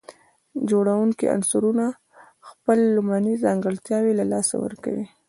جوړونکي عنصرونه خپل لومړني ځانګړتياوي له لاسه ورکوي.